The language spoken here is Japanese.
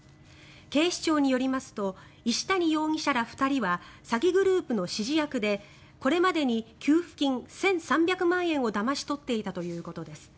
警視庁によりますと石谷容疑者ら２人は詐欺グループの指示役でこれまでに給付金１３００万円をだまし取っていたということです。